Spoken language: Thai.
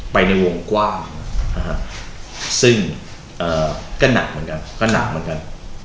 ไปในวงกว้างซึ่งก็หนักเหมือนกัน